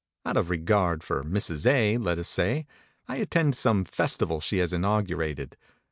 Out of regard for Mrs. A, let us say, I attend some festival she has inaugurated.